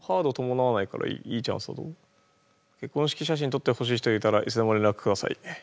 結婚式写真撮ってほしい人がいたらいつでも連絡ください。